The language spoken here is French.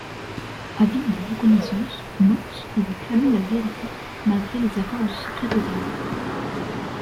Avide de reconnaissance, Motss veut clamer la vérité malgré les accords de secret total.